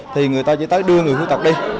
thì người ta chỉ tới đưa người khuyết tật đi